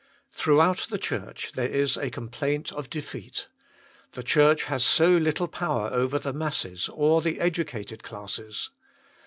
Throughout the Church there is a complaint of defeat. The Church has so little power over the masses, or the educated classes.